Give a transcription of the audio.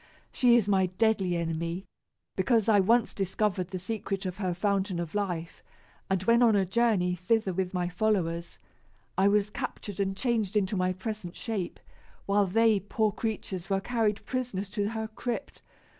She is my deadly enemy, because I once discovered the secret of her fountain of life; and, when on a journey thither with my followers, I was captured and changed into my present shape, while they, poor creatures, were carried prisoners to her crypt.